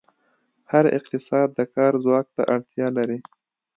هر اقتصاد د کار ځواک ته اړتیا لري.